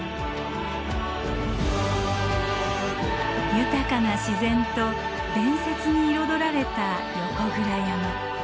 豊かな自然と伝説に彩られた横倉山。